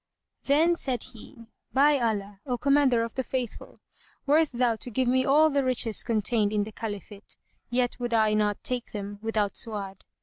Then said he, "By Allah, O Commander of the Faithful, wert thou to give me all the riches contained in the Caliphate, yet would I not take them without Su'ad."